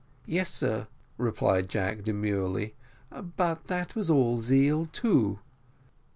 "Yes, sir," replied Jack demurely, "but that was all zeal too."